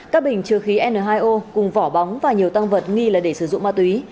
các bình chứa khí n hai o cùng vỏ bóng và nhiều tăng vật nghi là để sử dụng ma túy